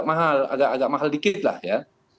mahal agak agak mahal dikitlah ya